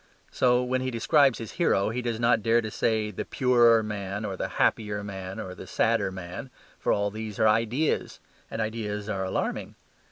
So, when he describes his hero, he does not dare to say, "the purer man," or "the happier man," or "the sadder man," for all these are ideas; and ideas are alarming.